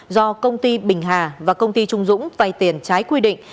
do công ty bình hà và công ty trung dũng vay tiền trái quy định